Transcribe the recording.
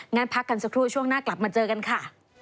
งั้นพักกันสักครู่ช่วงหน้ากลับมาเจอกันค่ะ